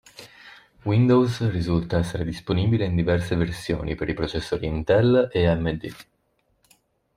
Windows risulta essere disponibile in diverse versioni per i processori Intel e AMD.